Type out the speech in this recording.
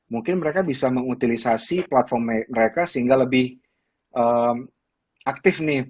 mungkin mereka bisa mengutilisasi platform mereka sehingga lebih aktif nih